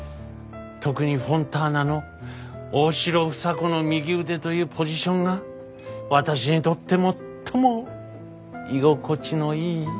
特にフォンターナの大城房子の右腕というポジションが私にとって最も居心地のいい居場所でした。